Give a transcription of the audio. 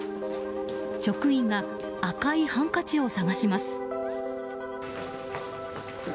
職員が赤いハンカチを探します。